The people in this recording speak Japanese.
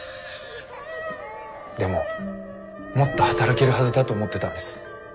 でももっと働けるはずだと思ってたんです。